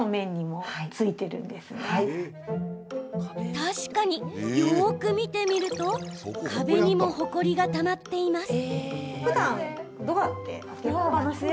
確かによく見てみると壁にもほこりがたまっています。